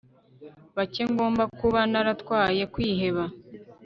Bake ngomba kuba naratwaye kwiheba